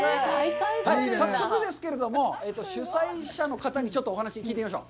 早速ですけれども、主催者の方にちょっとお話を聞いてみましょう。